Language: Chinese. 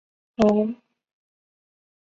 从父命接任藏军前线副指挥官之职。